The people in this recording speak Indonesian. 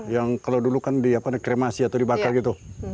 yang kalau dulu kan di kremasi atau dibakar gitu